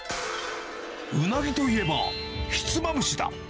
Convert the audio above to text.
ウナギといえば、ひつまぶしだ。